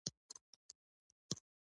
حسن ، حسن وم دلمر په پلوشو کې